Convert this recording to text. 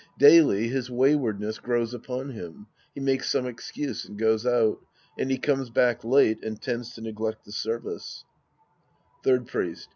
Daily his waywardness grows upon him. He makes some excuse and goes out. And he comes back late and tends to neglect the services. Third Priest.